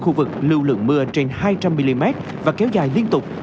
khu vực lưu lượng mưa trên hai trăm linh mm và kéo dài liên tục